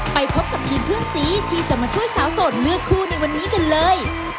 ไปพบกับทีมเพื่อนสีที่จะมาช่วยสาวโสดเลือกคู่ในวันนี้กันเลย